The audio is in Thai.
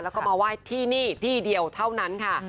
แล้วก็มาไหว้ที่นี่ที่เดียวเท่านั้นค่ะ